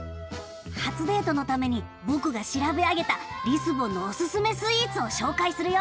初デートのために僕が調べ上げたリスボンのおすすめスイーツを紹介するよ！